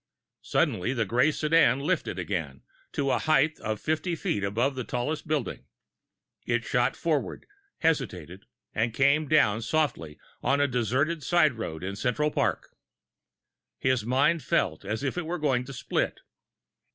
Suddenly the gray sedan lifted again, to a height of fifty feet above the tallest building. It shot forward, hesitated, and came down softly on a deserted side road in Central Park. His mind felt as if it were going to split.